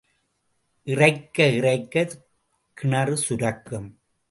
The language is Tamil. இறைக்க, இறைக்கக் கிணறு சுரக்கும்.